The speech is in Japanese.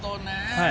はい！